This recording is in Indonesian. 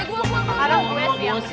dulu gue lagi